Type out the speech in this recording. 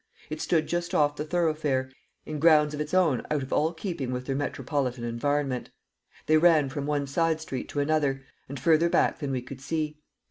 It stood just off the thoroughfare, in grounds of its own out of all keeping with their metropolitan environment; they ran from one side street to another, and further back than we could see.